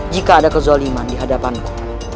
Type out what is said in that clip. jika ada kezoliman di hadapanku